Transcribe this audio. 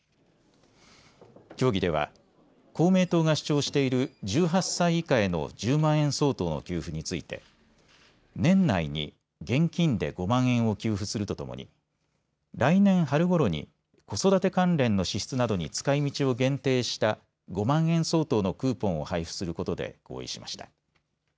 協議では公明党が主張している１８歳以下への１０万円相当の給付について年内に現金で５万円を給付するとともに来年春ごろに子育て関連の支出などに使いみちを限定した５万円相当のクーポンを配布することで合意しました。